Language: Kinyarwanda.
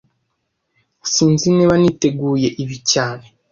Sinzi niba niteguye ibi cyane